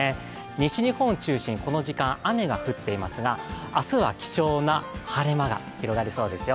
西日本を中心にこの時間雨が降っていますが明日は貴重な晴れ間が広がりそうですよ。